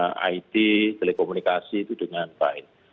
itu dengan id telekomunikasi itu dengan lain